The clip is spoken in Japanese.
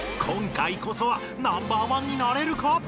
今回こそはナンバーワンになれるか！？